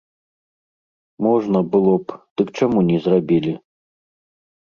Можна было б, дык чаму не зрабілі?